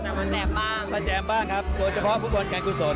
แล้วมันแจมบ้างมันแจมบ้างครับโดยเฉพาะฟุตบอลกันกุศล